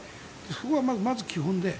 そこはまず基本で。